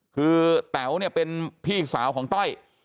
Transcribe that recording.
คือแต๋วเนี่ยเป็นพี่สาวของต้อย